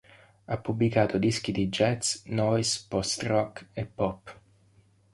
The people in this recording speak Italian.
Ha pubblicato dischi di jazz, noise, post-rock e pop.